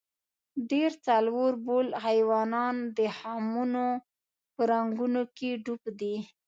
ډېر څلوربول حیوانان د خمونو په رنګونو کې ډوب دي.